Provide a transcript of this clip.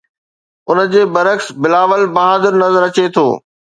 ان جي برعڪس بلاول بهادر نظر اچي ٿو.